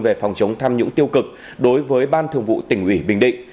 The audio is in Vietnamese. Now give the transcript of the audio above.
về phòng chống tham nhũng tiêu cực đối với ban thường vụ tỉnh ủy bình định